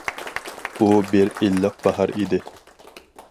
ئۇ بىر ئىللىق باھار ئىدى.